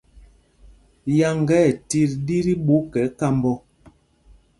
Yáŋga ɛ tit ɗí tí ɓu kɛ kamb ɔ.